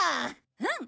うん。